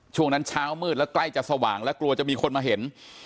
ช่วงนั้นเช้ามืดแล้วใกล้จะสว่างและกลัวจะมีคนมาเห็น